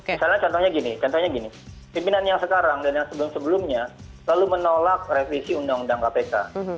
misalnya contohnya gini contohnya gini pimpinan yang sekarang dan yang sebelum sebelumnya lalu menolak revisi undang undang kpk